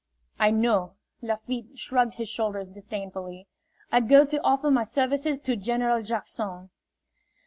"I know." Lafitte shrugged his shoulders disdainfully. "I go to offer my services to General Jackson."